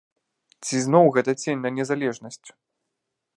Ці зноў гэта цень на незалежнасць?